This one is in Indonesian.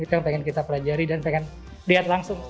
itu yang ingin kita pelajari dan ingin lihat langsung